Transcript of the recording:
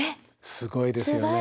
すごいですよね。